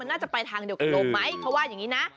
น่าจะไปทางเดียวกับโรงไหมเขาว่าอย่างนี้นะ